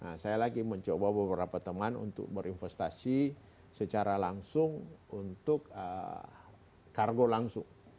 jadi saya juga mencoba beberapa teman untuk berinvestasi secara langsung untuk kargo langsung